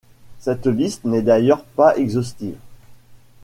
Cette liste n'est d'ailleurs pas exhaustive.